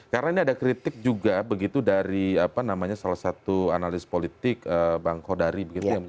karena ini ada kritik juga begitu dari salah satu analis politik bang kodari